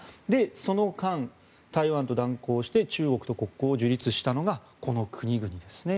その間、台湾と断交して中国と国交を樹立したのが、この国々ですね。